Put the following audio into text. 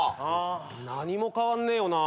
何も変わんねえよな